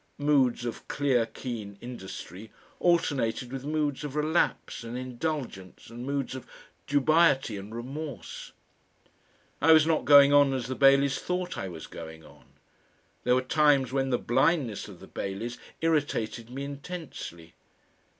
Moods of clear keen industry alternated with moods of relapse and indulgence and moods of dubiety and remorse. I was not going on as the Baileys thought I was going on. There were times when the blindness of the Baileys irritated me intensely.